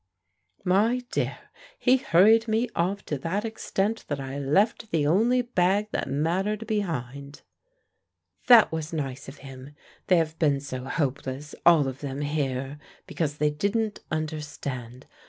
"My dear, he hurried me off to that extent that I left the only bag that mattered behind." "That was nice of him. They have been so hopeless, all of them here, because they didn't understand.